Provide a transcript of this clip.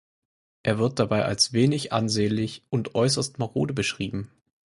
Er wird dabei als wenig ansehnlich und äußerst marode beschrieben.